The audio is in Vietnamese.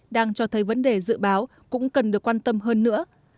đang cho thấy vấn đề dự báo cũng cần được quan tâm hơn nữa